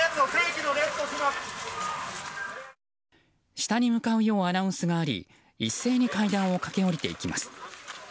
下に向かうようアナウンスがあり一斉に階段を駆け下りていきます。